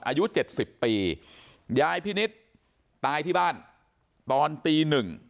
อายุเจ็ดสิบปียายพินิษฐ์ตายที่บ้านตอนตีหนึ่ง